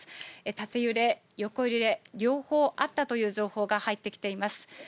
縦揺れ、横揺れ、両方あったという情報が入ってきています。